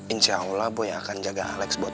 insya allah boy akan jaga alex buat oma